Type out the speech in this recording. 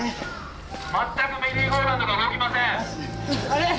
まったくメリーゴーラウンドが動きません。